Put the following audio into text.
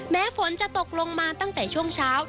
แม้ฝนจะตกลงมาตั้งแต่ช่วงเช้า